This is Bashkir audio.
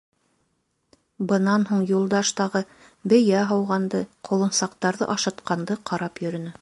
Бынан һуң Юлдаш тағы бейә һауғанды, ҡолонсаҡтарҙы ашатҡанды ҡарап йөрөнө.